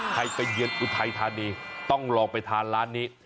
ไปเยือนอุทัยธานีต้องลองไปทานร้านนี้